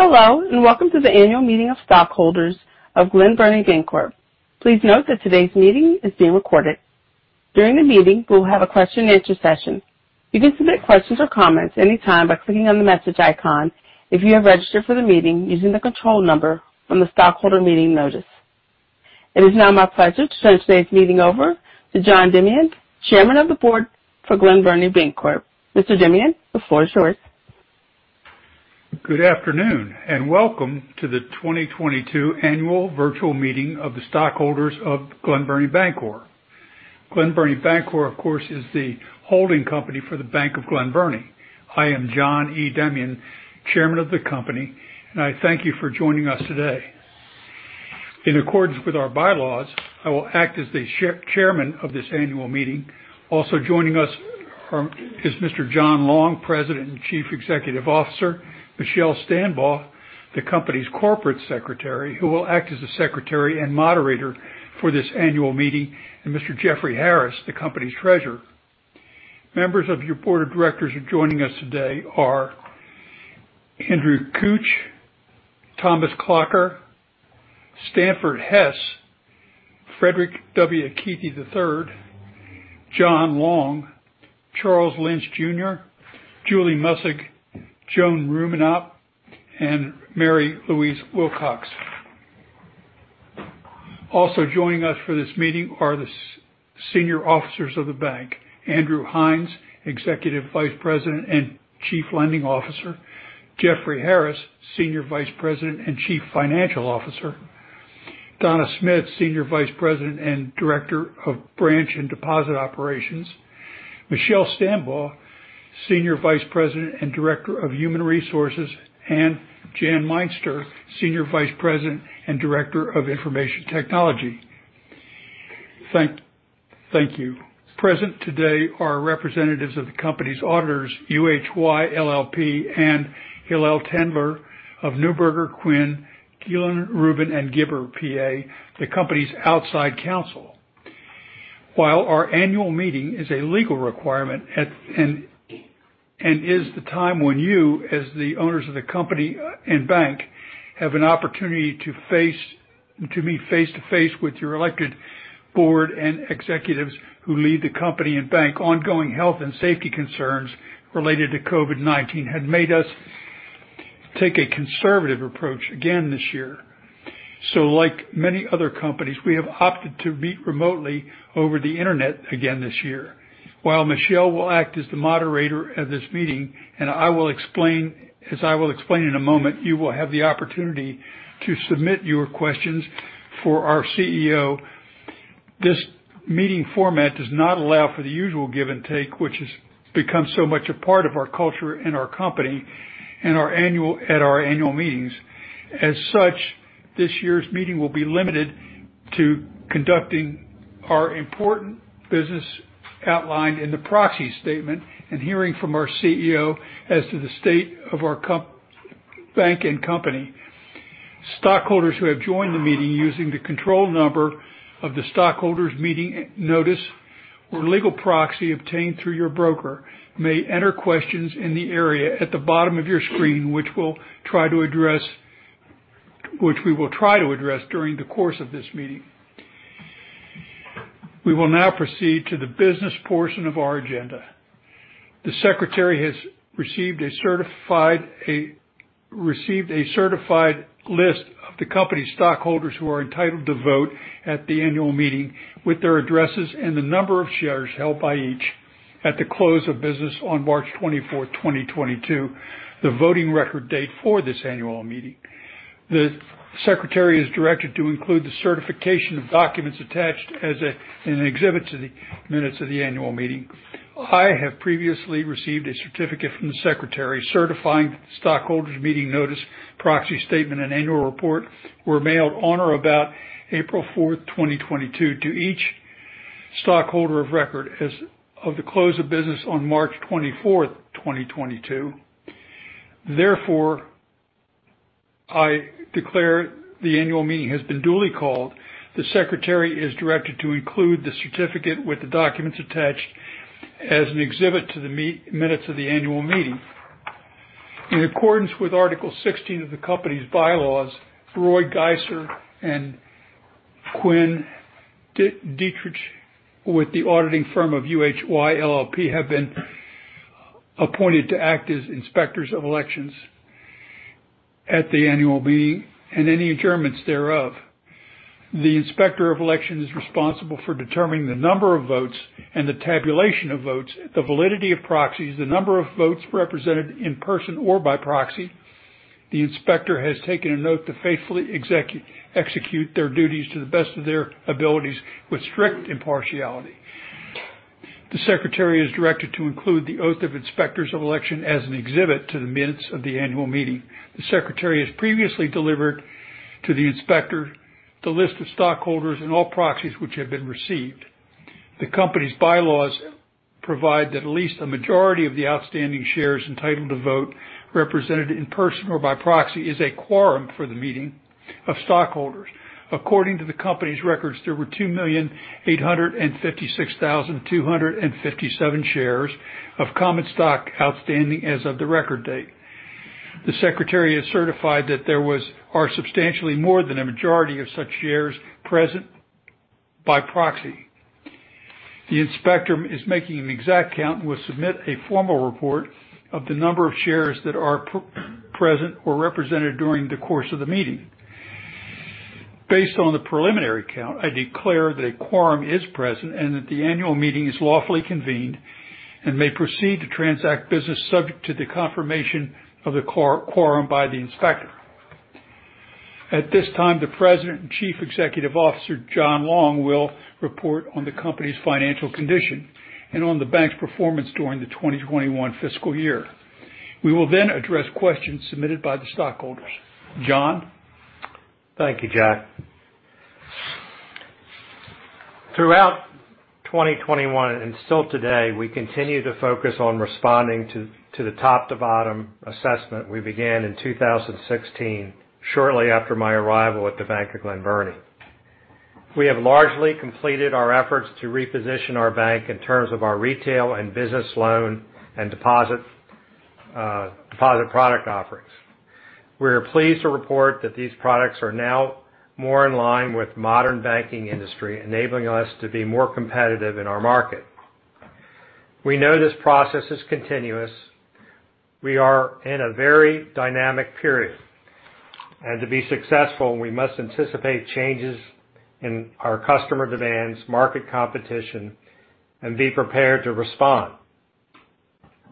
Hello, and welcome to the annual meeting of stockholders of Glen Burnie Bancorp. Please note that today's meeting is being recorded. During the meeting, we'll have a question and answer session. You can submit questions or comments anytime by clicking on the message icon if you have registered for the meeting using the control number from the stockholder meeting notice. It is now my pleasure to turn today's meeting over to John E. Demyan, Chairman of the Board for Glen Burnie Bancorp. Mr. Demyan, the floor is yours. Good afternoon, and welcome to the 2022 annual virtual meeting of the stockholders of Glen Burnie Bancorp. Glen Burnie Bancorp, of course, is the holding company for The Bank of Glen Burnie. I am John E. Demyan, chairman of the company, and I thank you for joining us today. In accordance with our bylaws, I will act as the chairman of this annual meeting. Also joining us is Mr. John Long, President and Chief Executive Officer, Michelle Stambaugh, the company's corporate secretary, who will act as the secretary and moderator for this annual meeting, and Mr. Jeffrey Harris, the company's treasurer. Members of your board of directors who are joining us today are Andrew Cooch, Thomas Clocker, Stanford Hess, Frederick W. Kuethe, III, John Long, Charles Lynch, Jr., Julie Mussog, Joan M. Rumenap, and Mary-Louise Wilcox. Also joining us for this meeting are the senior officers of the bank, Andrew Hines, Executive Vice President and Chief Lending Officer, Jeffrey Harris, Senior Vice President and Chief Financial Officer, Donna Smith, Senior Vice President and Director of Branch and Deposit Operations, Michelle Stambaugh, Senior Vice President and Director of Human Resources, and Jan Meister, Senior Vice President and Director of Information Technology. Thank you. Present today are representatives of the company's auditors, UHY LLP, and Hillel Tendler of Neuberger, Quinn, Gielen, Rubin & Gibber P.A., the company's outside counsel. While our annual meeting is a legal requirement at and is the time when you, as the owners of the company and bank, have an opportunity to meet face to face with your elected board and executives who lead the company and bank, ongoing health and safety concerns related to COVID-19 have made us take a conservative approach again this year. Like many other companies, we have opted to meet remotely over the Internet again this year. While Michelle will act as the moderator of this meeting, and as I will explain in a moment, you will have the opportunity to submit your questions for our CEO. This meeting format does not allow for the usual give and take, which has become so much a part of our culture and our company at our annual meetings. As such, this year's meeting will be limited to conducting our important business outlined in the proxy statement and hearing from our CEO as to the state of our bank and company. Stockholders who have joined the meeting using the control number of the stockholders meeting notice or legal proxy obtained through your broker may enter questions in the area at the bottom of your screen, which we will try to address during the course of this meeting. We will now proceed to the business portion of our agenda. The secretary has received a certified list of the company's stockholders who are entitled to vote at the annual meeting with their addresses and the number of shares held by each at the close of business on March 24, 2022, the voting record date for this annual meeting. The secretary is directed to include the certification of documents attached as an exhibit to the minutes of the annual meeting. I have previously received a certificate from the secretary certifying stockholders meeting notice, proxy statement, and annual report were mailed on or about April 4, 2022 to each stockholder of record as of the close of business on March 24, 2022. Therefore, I declare the annual meeting has been duly called. The secretary is directed to include the certificate with the documents attached as an exhibit to the minutes of the annual meeting. In accordance with Article Sixteen of the company's bylaws, Roy Geiser and Quinn Dietrich with the auditing firm of UHY LLP have been appointed to act as inspectors of elections at the annual meeting and any adjournments thereof. The Inspector of Elections is responsible for determining the number of votes and the tabulation of votes, the validity of proxies, the number of votes represented in person or by proxy. The Inspector of Elections has taken an oath to faithfully execute their duties to the best of their abilities with strict impartiality. The secretary is directed to include the oath of Inspectors of Elections as an exhibit to the minutes of the annual meeting. The secretary has previously delivered to the Inspector of Elections the list of stockholders and all proxies which have been received. The company's bylaws provide that at least a majority of the outstanding shares entitled to vote, represented in person or by proxy, is a quorum for the meeting of stockholders. According to the company's records, there were 2,856,257 shares of common stock outstanding as of the record date. The Secretary has certified that there are substantially more than a majority of such shares present by proxy. The inspector is making an exact count and will submit a formal report of the number of shares that are present or represented during the course of the meeting. Based on the preliminary count, I declare that a quorum is present and that the annual meeting is lawfully convened and may proceed to transact business subject to the confirmation of the quorum by the inspector. At this time, the President and Chief Executive Officer, John Long, will report on the company's financial condition and on the bank's performance during the 2021 fiscal year. We will then address questions submitted by the stockholders. John? Thank you, John. Throughout 2021, and still today, we continue to focus on responding to the top-to-bottom assessment we began in 2016, shortly after my arrival at The Bank of Glen Burnie. We have largely completed our efforts to reposition our bank in terms of our retail and business loan and deposit product offerings. We are pleased to report that these products are now more in line with modern banking industry, enabling us to be more competitive in our market. We know this process is continuous. We are in a very dynamic period. To be successful, we must anticipate changes in our customer demands, market competition, and be prepared to respond.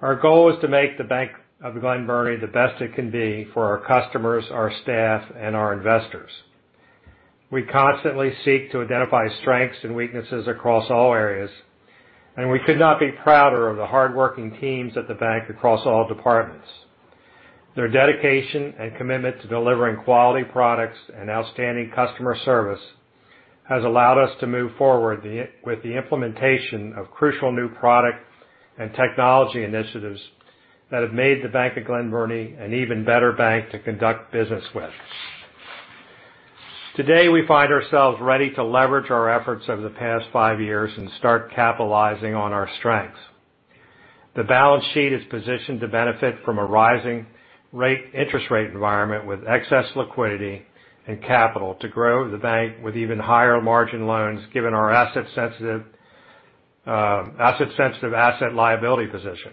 Our goal is to make The Bank of Glen Burnie the best it can be for our customers, our staff, and our investors. We constantly seek to identify strengths and weaknesses across all areas, and we could not be prouder of the hardworking teams at the bank across all departments. Their dedication and commitment to delivering quality products and outstanding customer service has allowed us to move forward with the implementation of crucial new product and technology initiatives that have made The Bank of Glen Burnie an even better bank to conduct business with. Today, we find ourselves ready to leverage our efforts over the past five years and start capitalizing on our strengths. The balance sheet is positioned to benefit from a rising interest rate environment with excess liquidity and capital to grow the bank with even higher margin loans, given our asset-sensitive asset-liability position.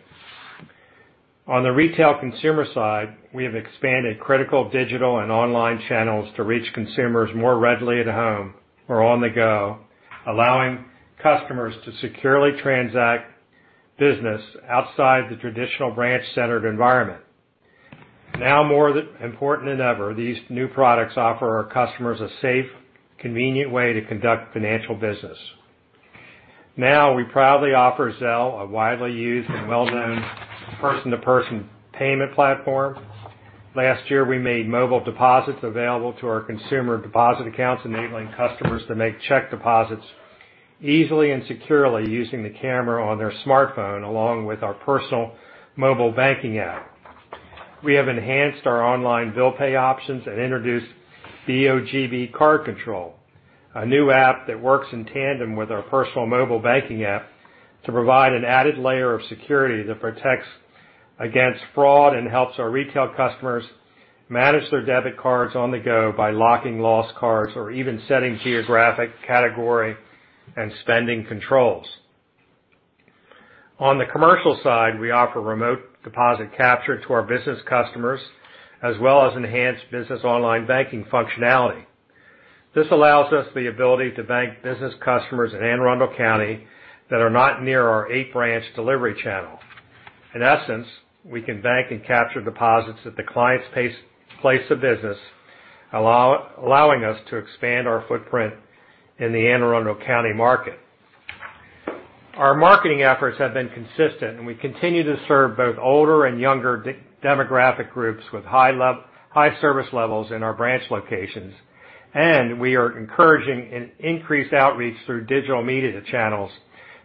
On the retail consumer side, we have expanded critical digital and online channels to reach consumers more readily at home or on the go, allowing customers to securely transact business outside the traditional branch-centered environment. Now, more important than ever, these new products offer our customers a safe, convenient way to conduct financial business. Now, we proudly offer Zelle, a widely used and well-known person-to-person payment platform. Last year, we made mobile deposits available to our consumer deposit accounts, enabling customers to make check deposits easily and securely using the camera on their smartphone, along with our personal mobile banking app. We have enhanced our online bill pay options and introduced BOGB Card Control, a new app that works in tandem with our personal mobile banking app to provide an added layer of security that protects against fraud and helps our retail customers manage their debit cards on the go by locking lost cards or even setting geographic category and spending controls. On the commercial side, we offer remote deposit capture to our business customers, as well as enhanced business online banking functionality. This allows us the ability to bank business customers in Anne Arundel County that are not near our eight-branch delivery channel. In essence, we can bank and capture deposits at the client's place of business, allowing us to expand our footprint in the Anne Arundel County market. Our marketing efforts have been consistent, and we continue to serve both older and younger demographic groups with high service levels in our branch locations, and we are encouraging an increased outreach through digital media channels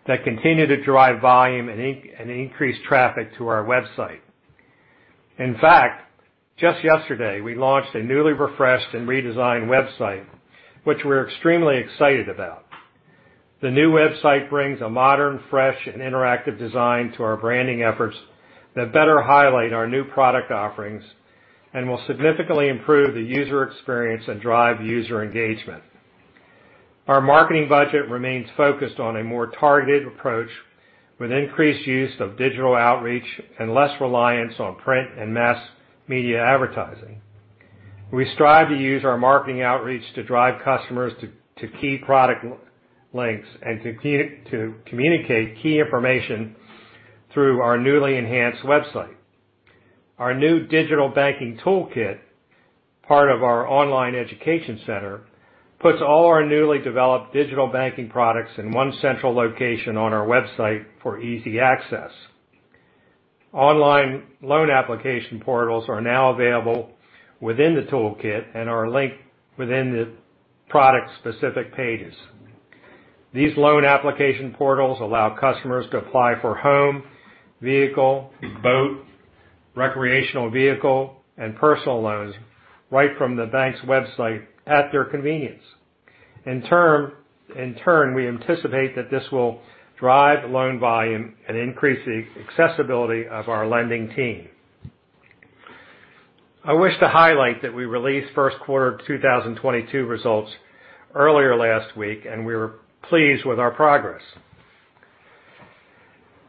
that continue to drive volume and increase traffic to our website. In fact, just yesterday, we launched a newly refreshed and redesigned website, which we're extremely excited about. The new website brings a modern, fresh, and interactive design to our branding efforts that better highlight our new product offerings and will significantly improve the user experience and drive user engagement. Our marketing budget remains focused on a more targeted approach with increased use of digital outreach and less reliance on print and mass media advertising. We strive to use our marketing outreach to drive customers to key product links and to communicate key information through our newly enhanced website. Our new digital banking toolkit, part of our online education center, puts all our newly developed digital banking products in one central location on our website for easy access. Online loan application portals are now available within the toolkit and are linked within the product's specific pages. These loan application portals allow customers to apply for home, vehicle, boat, recreational vehicle, and personal loans right from the bank's website at their convenience. In turn, we anticipate that this will drive loan volume and increase the accessibility of our lending team. I wish to highlight that we released first quarter 2022 results earlier last week, and we were pleased with our progress.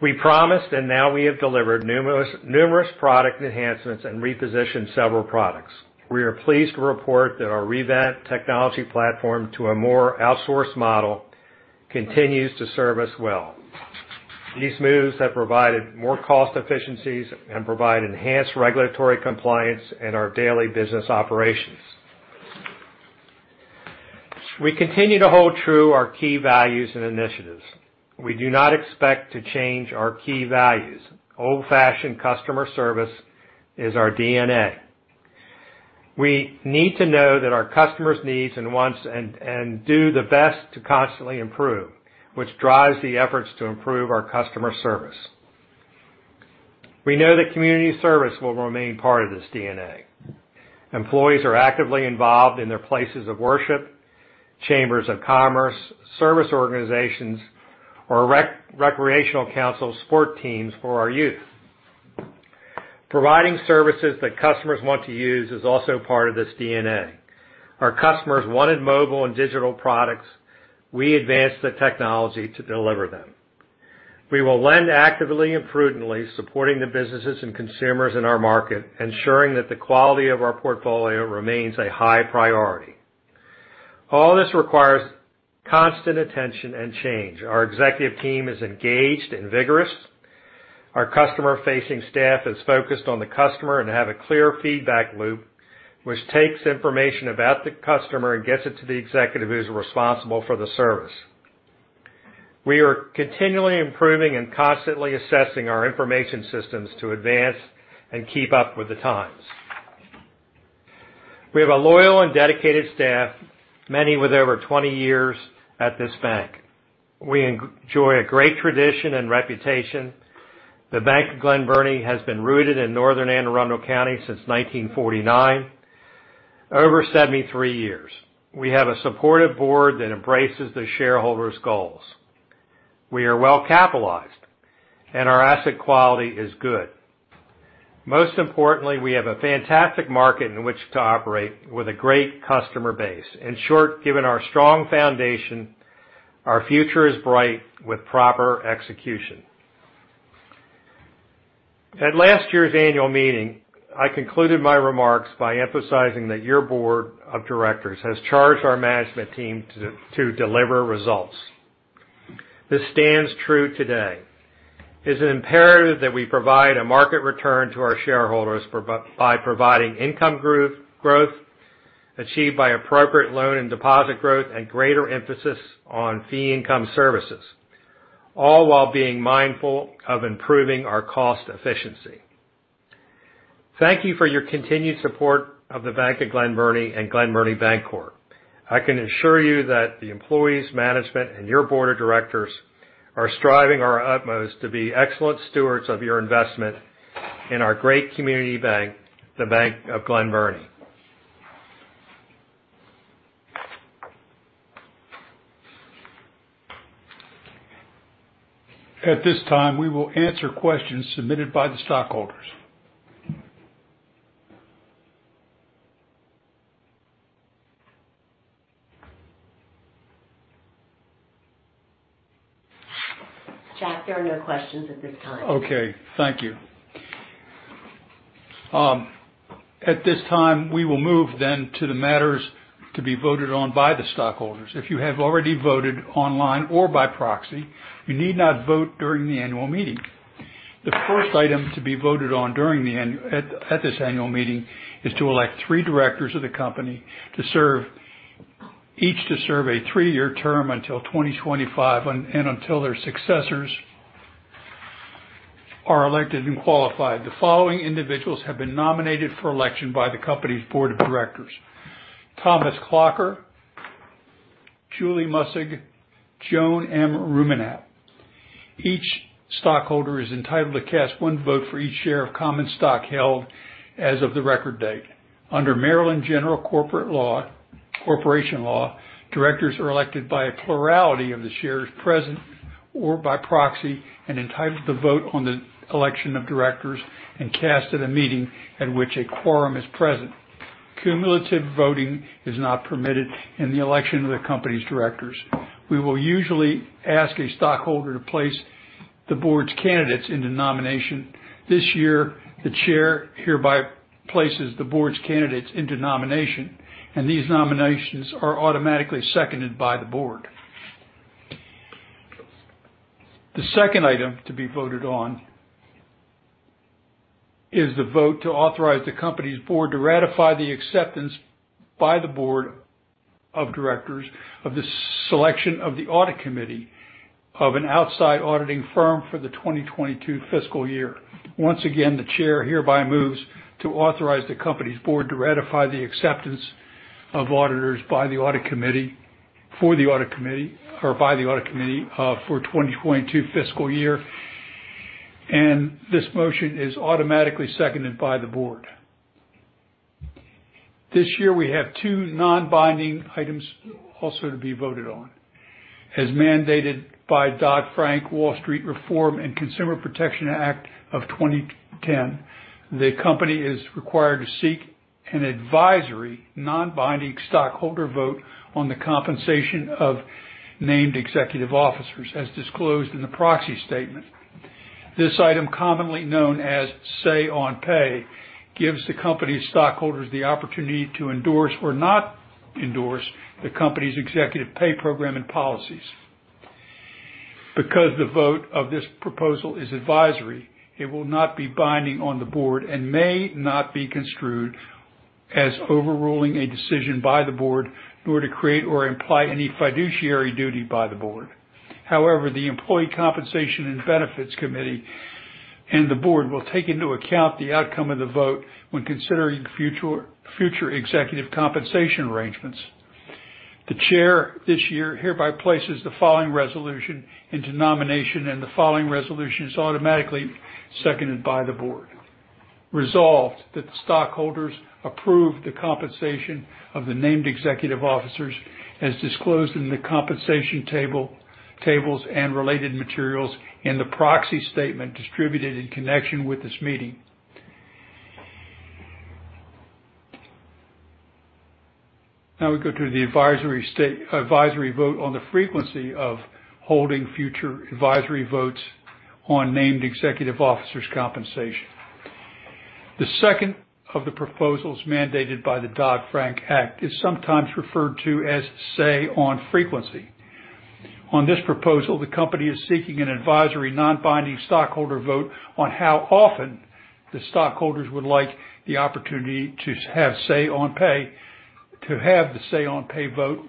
We promised, and now we have delivered numerous product enhancements and repositioned several products. We are pleased to report that our revamped technology platform to a more outsourced model continues to serve us well. These moves have provided more cost efficiencies and provide enhanced regulatory compliance in our daily business operations. We continue to hold true our key values and initiatives. We do not expect to change our key values. Old-fashioned customer service is our DNA. We need to know that our customer's needs and wants and do the best to constantly improve, which drives the efforts to improve our customer service. We know that community service will remain part of this DNA. Employees are actively involved in their places of worship, chambers of commerce, service organizations or recreational council sport teams for our youth. Providing services that customers want to use is also part of this DNA. Our customers wanted mobile and digital products. We advanced the technology to deliver them. We will lend actively and prudently, supporting the businesses and consumers in our market, ensuring that the quality of our portfolio remains a high priority. All this requires constant attention and change. Our executive team is engaged and vigorous. Our customer-facing staff is focused on the customer and have a clear feedback loop, which takes information about the customer and gets it to the executive who's responsible for the service. We are continually improving and constantly assessing our information systems to advance and keep up with the times. We have a loyal and dedicated staff, many with over 20 years at this bank. We enjoy a great tradition and reputation. The Bank of Glen Burnie has been rooted in northern Anne Arundel County since 1949, over 73 years. We have a supportive board that embraces the shareholders' goals. We are well capitalized, and our asset quality is good. Most importantly, we have a fantastic market in which to operate with a great customer base. In short, given our strong foundation, our future is bright with proper execution. At last year's annual meeting, I concluded my remarks by emphasizing that your board of directors has charged our management team to deliver results. This stands true today. It's imperative that we provide a market return to our shareholders by providing income growth achieved by appropriate loan and deposit growth and greater emphasis on fee income services, all while being mindful of improving our cost efficiency. Thank you for your continued support of the Bank of Glen Burnie and Glen Burnie Bancorp. I can assure you that the employees, management, and your board of directors are striving our utmost to be excellent stewards of your investment in our great community bank, the Bank of Glen Burnie. At this time, we will answer questions submitted by the stockholders. Jack, there are no questions at this time. Okay, thank you. At this time, we will move then to the matters to be voted on by the stockholders. If you have already voted online or by proxy, you need not vote during the annual meeting. The first item to be voted on during this annual meeting is to elect three directors of the company to serve. Each to serve a three-year term until 2025 and until their successors are elected and qualified. The following individuals have been nominated for election by the company's board of directors: Thomas Clocker, Julie Mussog, Joan M. Rumenap. Each stockholder is entitled to cast one vote for each share of common stock held as of the record date. Under Maryland General Corporation Law, directors are elected by a plurality of the shares present or by proxy and entitled to vote on the election of directors and cast at a meeting at which a quorum is present. Cumulative voting is not permitted in the election of the company's directors. We will usually ask a stockholder to place the board's candidates into nomination. This year, the chair hereby places the board's candidates into nomination, and these nominations are automatically seconded by the board. The second item to be voted on is the vote to authorize the company's board to ratify the acceptance by the board of directors of the selection of the audit committee of an outside auditing firm for the 2022 fiscal year. Once again, the chair hereby moves to authorize the company's board to ratify the acceptance of auditors by the audit committee for the 2022 fiscal year. This motion is automatically seconded by the board. This year we have two non-binding items also to be voted on. As mandated by Dodd-Frank Wall Street Reform and Consumer Protection Act of 2010, the company is required to seek an advisory non-binding stockholder vote on the compensation of named executive officers as disclosed in the proxy statement. This item, commonly known as say-on-pay, gives the company's stockholders the opportunity to endorse or not endorse the company's executive pay program and policies. Because the vote of this proposal is advisory, it will not be binding on the board and may not be construed as overruling a decision by the board nor to create or imply any fiduciary duty by the board. However, the Employee Compensation and Benefits Committee and the board will take into account the outcome of the vote when considering future executive compensation arrangements. The chair this year hereby places the following resolution into nomination, and the following resolution is automatically seconded by the board. Resolved that the stockholders approve the compensation of the named executive officers as disclosed in the compensation tables and related materials in the proxy statement distributed in connection with this meeting. Now we go to the advisory vote on the frequency of holding future advisory votes on named executive officers compensation. The second of the proposals mandated by the Dodd-Frank Act is sometimes referred to as Say on frequency. On this proposal, the company is seeking an advisory non-binding stockholder vote on how often the stockholders would like the opportunity to have Say on pay. To have the Say on pay vote,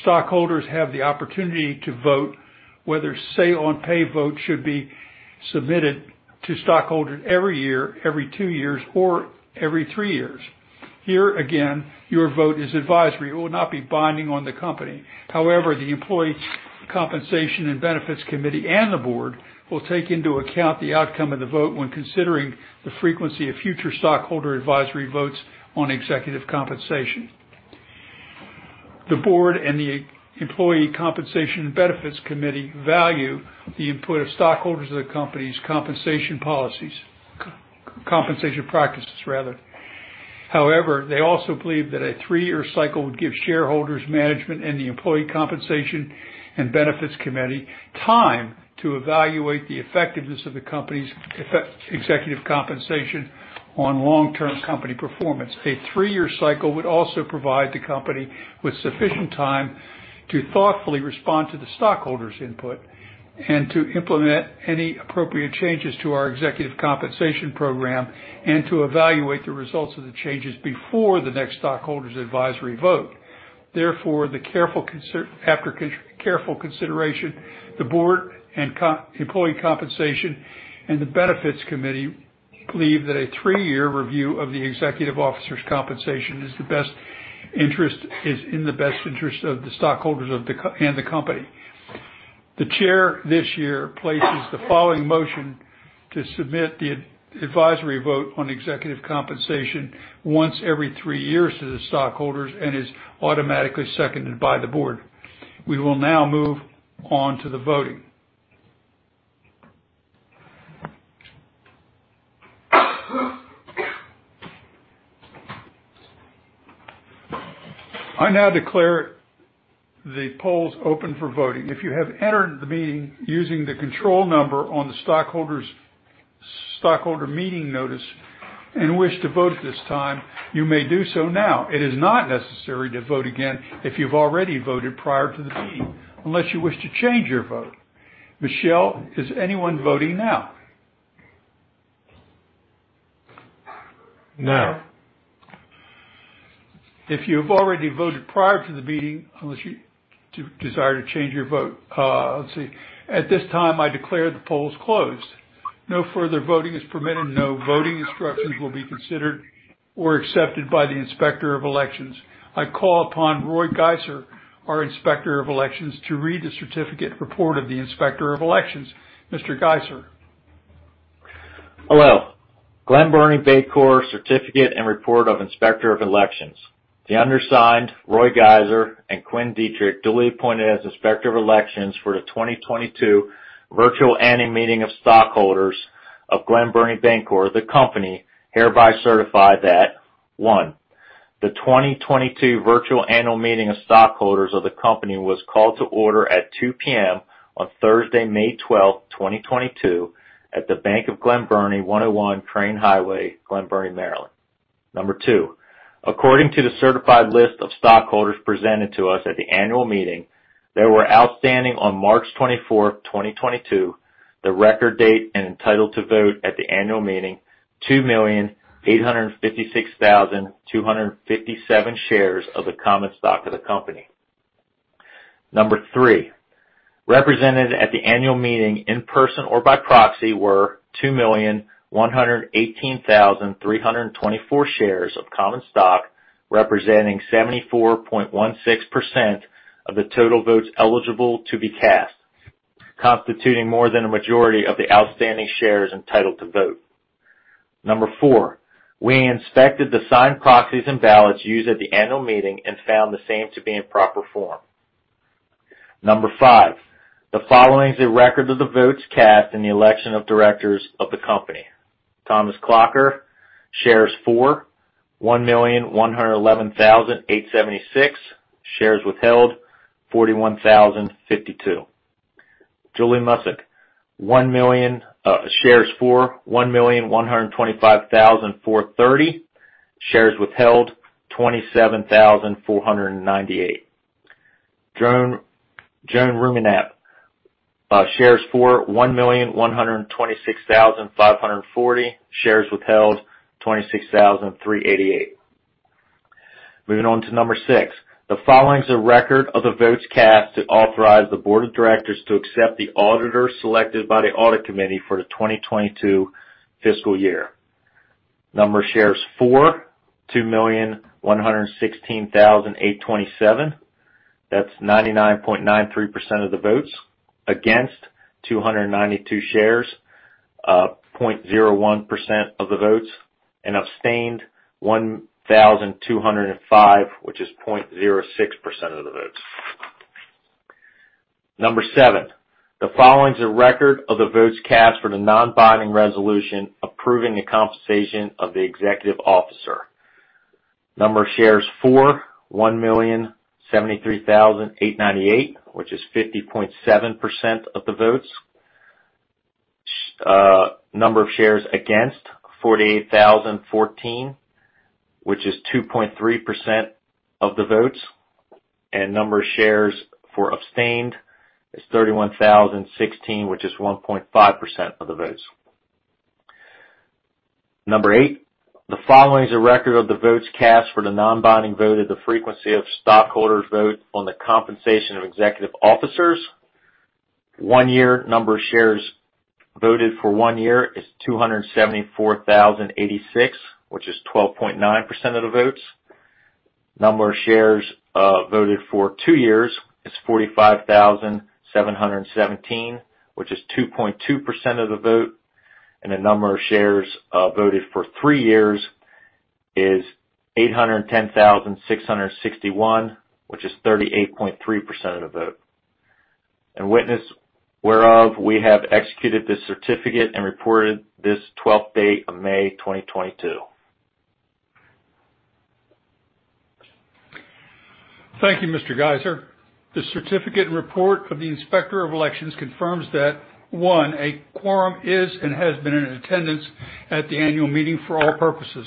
stockholders have the opportunity to vote whether Say on pay vote should be submitted to stockholders every year, every two years, or every three years. Here again, your vote is advisory. It will not be binding on the company. However, the Employee Compensation and Benefits Committee and the board will take into account the outcome of the vote when considering the frequency of future stockholder advisory votes on executive compensation. The board and the Employee Compensation and Benefits Committee value the input of stockholders of the company's compensation policies. Compensation practices rather. However, they also believe that a three-year cycle would give shareholders, management, and the Employee Compensation and Benefits Committee time to evaluate the effectiveness of the company's executive compensation on long-term company performance. A three-year cycle would also provide the company with sufficient time to thoughtfully respond to the stockholders input and to implement any appropriate changes to our executive compensation program and to evaluate the results of the changes before the next stockholders advisory vote. Therefore, after careful consideration, the board and Employee Compensation and Benefits Committee believe that a three-year review of the executive officer's compensation is in the best interest of the stockholders and the company. The Chair this year places the following motion to submit the advisory vote on executive compensation once every three years to the stockholders and is automatically seconded by the board. We will now move on to the voting. I now declare the polls open for voting. If you have entered the meeting using the control number on the stockholders' stockholder meeting notice and wish to vote at this time, you may do so now. It is not necessary to vote again if you've already voted prior to the meeting, unless you wish to change your vote. Michelle Stambaugh, is anyone voting now? No. If you've already voted prior to the meeting, unless you desire to change your vote. Let's see. At this time, I declare the polls closed. No further voting is permitted. No voting instructions will be considered or accepted by the Inspector of Elections. I call upon Roy Geiser, our Inspector of Elections, to read the certificate report of the Inspector of Elections. Mr. Geiser. Hello. Glen Burnie Bancorp certificate and report of Inspector of Elections. The undersigned, Roy Geiser and Quinn Dietrich, duly appointed as Inspector of Elections for the 2022 virtual annual meeting of stockholders of Glen Burnie Bancorp, the company, hereby certify that, one, the 2022 virtual annual meeting of stockholders of the company was called to order at 2:00 P.M. on Thursday, May 12, 2022 at The Bank of Glen Burnie, 101 Crain Highway, Glen Burnie, Maryland. Number two, according to the certified list of stockholders presented to us at the annual meeting, there were outstanding on March 24, 2022, the record date and entitled to vote at the annual meeting, 2,856,257 shares of the common stock of the company. Number three, represented at the annual meeting in person or by proxy were 2,118,324 shares of common stock, representing 74.16% of the total votes eligible to be cast, constituting more than a majority of the outstanding shares entitled to vote. Number four, we inspected the signed proxies and ballots used at the annual meeting and found the same to be in proper form. Number five, the following is a record of the votes cast in the election of directors of the company. Thomas Clocker, shares for 1,111,876. Shares withheld, 41,052. Julie Mussog, shares for 1,125,430. Shares withheld, 27,498. Joan M. Rumenap shares for 1,126,540. Shares withheld, 26,388. Moving on to number six. The following is a record of the votes cast to authorize the board of directors to accept the auditor selected by the audit committee for the 2022 fiscal year. Number of shares for, 2,116,827. That's 99.93% of the votes. Against, 292 shares, 0.01% of the votes. Abstained, 1,205, which is 0.06% of the votes. Number seven, the following is a record of the votes cast for the non-binding resolution approving the compensation of the executive officer. Number of shares for, 1,073,898, which is 50.7% of the votes. Number of shares against, 48,014, which is 2.3% of the votes. Number of shares for abstained is 31,016, which is 1.5% of the votes. Number eight, the following is a record of the votes cast for the non-binding vote of the frequency of stockholders' vote on the compensation of executive officers. One year, number of shares voted for one year is 274,086, which is 12.9% of the votes. Number of shares voted for two years is 45,717, which is 2.2% of the vote. The number of shares voted for three years is 810,661, which is 38.3% of the vote. In witness whereof we have executed this certificate and reported this twelfth day of May 2022. Thank you, Mr. Geiser. The certificate and report of the Inspector of Elections confirms that, one, a quorum is and has been in attendance at the annual meeting for all purposes.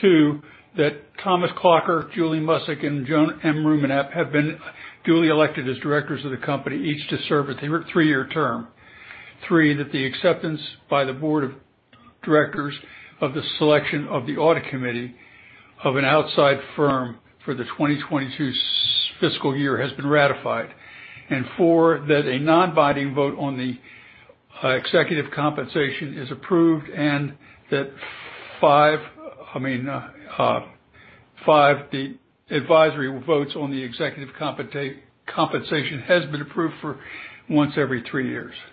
Two, that Thomas Clocker, Julie Mussog, and Joan M. Rumenap have been duly elected as directors of the company, each to serve a three-year term. Three, that the acceptance by the board of directors of the selection of the audit committee of an outside firm for the 2022 fiscal year has been ratified. Four, that a non-binding vote on the executive compensation is approved. Five, the advisory votes on the executive compensation has been approved for once every three years.